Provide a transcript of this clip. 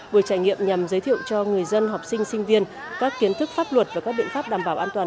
buổi trải nghiệm nhằm giới thiệu cho người dân học sinh sinh viên các kiến thức pháp luật và các biện pháp đảm bảo an toàn